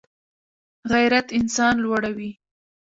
غیرت انسان لوړوي